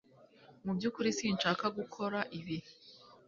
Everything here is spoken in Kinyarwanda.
Mu byukuri sinshaka gukora ibi